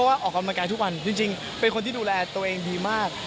พอว่าออกรังกายอย่างทุกวันจริงเป็นคนที่ดูแลตัวเองดีมาก